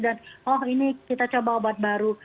dan oh ini kita coba obat baru